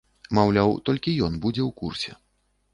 Маўляў, толькі ён будзе ў курсе.